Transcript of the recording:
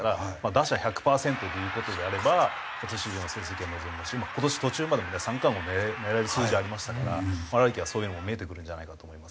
打者１００パーセントという事であれば今年以上の成績は望めますし今年途中までもね三冠王狙える数字ありましたから来季はそういうのも見えてくるんじゃないかと。